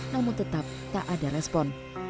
namun tetap tak ada respon